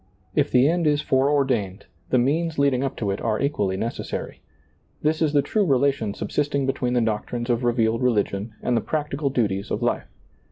If the end is foreordained, the means leading up to it are equally necessary. This is the true relation subsisting between the doctrines of revealed religion and the practical duties of life.